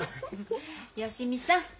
芳美さん